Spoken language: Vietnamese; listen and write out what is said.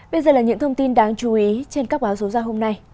bây giờ là những thông tin đáng chú ý trên các báo số ra hôm nay